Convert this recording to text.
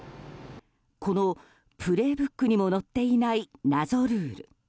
この「プレイブック」にも載っていない謎ルール。